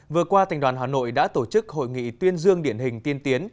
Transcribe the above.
vừa qua tỉnh đoàn hà nội đã tổ chức hội nghị tuyên dương điển hình tiên tiến